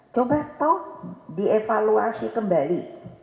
coba toh dievaluasi kembali